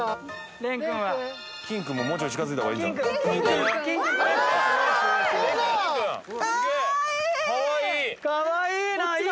きんくんも、もうちょっと近づいたほうがいいんじゃない。